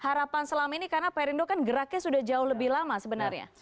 harapan selama ini karena perindo kan geraknya sudah jauh lebih lama sebenarnya